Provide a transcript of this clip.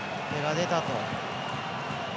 手が出たと。